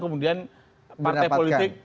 kemudian partai politik